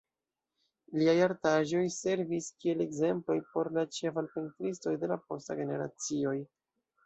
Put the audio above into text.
Liaj artaĵoj servis kiel ekzemploj por la ĉeval-pentristoj de la postaj generacioj.